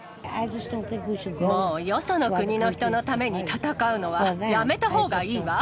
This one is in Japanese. もうよその国の人のために戦うのはやめたほうがいいわ。